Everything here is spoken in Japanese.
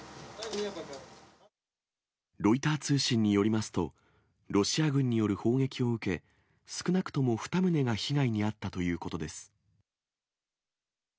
ロイター通信によりますと、ロシア軍による砲撃を受け、少なくとも２棟が被害に遭ったということです。